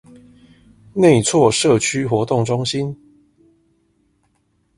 內厝社區活動中心